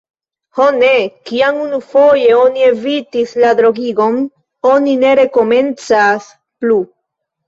Ho, ne! Kiam unufoje oni evitis la dronigon, oni ne rekomencas plu.